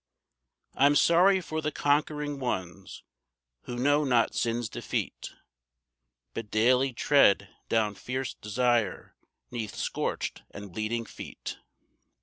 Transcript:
I'm sorry for the conquering ones who know not sin's defeat, But daily tread down fierce desire 'neath scorched and bleeding feet.